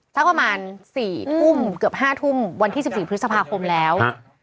สักประมาณ๔ทุ่มเกือบ๕ทุ่มวันที่๑๔พฤษภาคมแล้ว